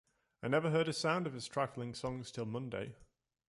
I never heard a sound of his trifling songs till Monday.